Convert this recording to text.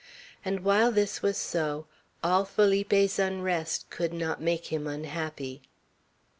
And while this was so, all Felipe's unrest could not make him unhappy.